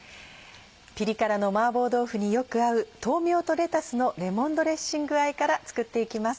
ピリ辛の麻婆豆腐によく合う「豆苗とレタスのレモンドレッシングあえ」から作っていきます。